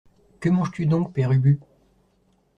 Que manges-tu donc, Père Ubu ?